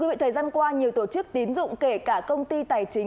thưa quý vị thời gian qua nhiều tổ chức tín dụng kể cả công ty tài chính